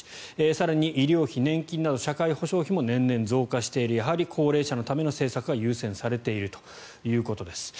更に医療費、年金など社会保障費も年々、増加しているやはり高齢者のための政策が優先されているということです。